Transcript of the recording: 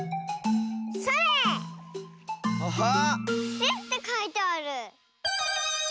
「し」ってかいてある。